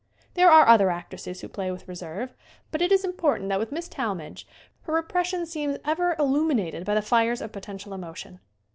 There are other actresses who play with reserve. But it is im portant that with Miss Talmadge her repres sion seems ever illuminated by the fires of po tential emotion.